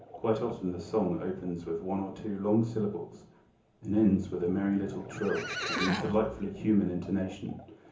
Quite often the song opens with one or two long syllables and ends with a merry little trill having a delightfully human intonation.